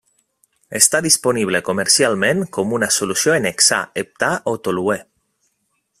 Està disponible comercialment com una solució en hexà, heptà, o toluè.